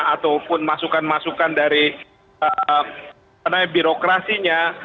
ataupun masukan masukan dari birokrasinya